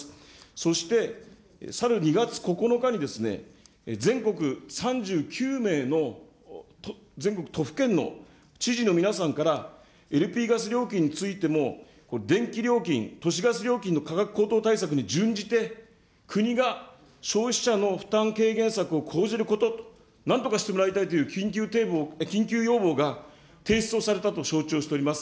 そして、去る２月９日に、全国３９名の、全国都府県の知事の皆さんから、ＬＰガス料金についても、電気料金、都市ガス料金の価格高騰対策に順じて、国が消費者の負担軽減策を講じること、なんとかしてもらいたいという緊急要望が提出をされたと承知をしております。